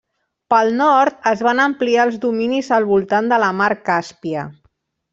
Pel nord, es van ampliar els dominis al voltant de la mar Càspia.